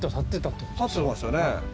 立ってましたよね。